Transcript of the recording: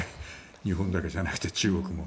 日本だけじゃなくて中国も。